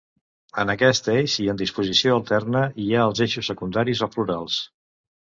En aquest eix, i en disposició alterna, hi ha els eixos secundaris o florals.